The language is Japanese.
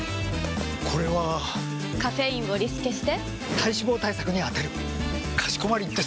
これはカフェインをリスケして体脂肪対策に充てるかしこまりです！！